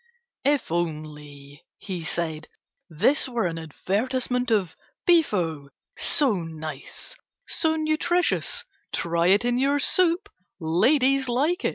"If only," he said, "this were an advertisement of Beefo, so nice, so nutritious, try it in your soup, ladies like it."